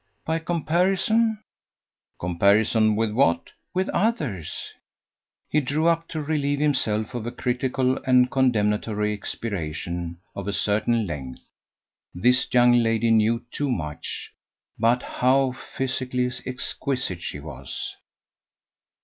"By comparison." "Comparison with what?" "With others." He drew up to relieve himself of a critical and condemnatory expiration of a certain length. This young lady knew too much. But how physically exquisite she was!